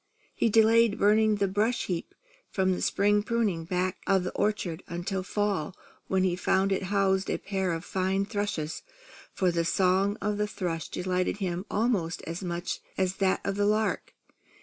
He delayed burning the brush heap from the spring pruning, back of the orchard, until fall, when he found it housed a pair of fine thrushes; for the song of the thrush delighted him almost as much as that of the lark.